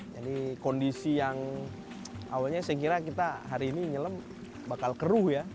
jadi kondisi yang awalnya saya kira kita hari ini nyelam bakal keruh ya